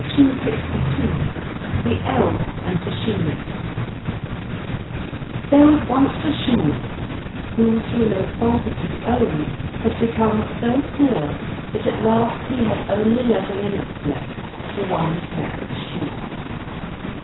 THE ELVES AND THE SHOEMAKER There was once a shoemaker who, through no fault of his own, had become so poor that at last he had only leather enough left for one pair of shoes.